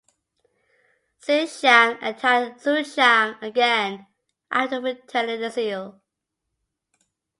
Xie Shang attacked Xuchang again after returning the seal.